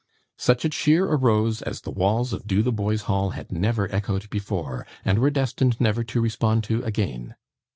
Such a cheer arose as the walls of Dotheboys Hall had never echoed before, and were destined never to respond to again.